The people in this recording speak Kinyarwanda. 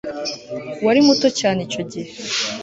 wari muto cyane icyo gihe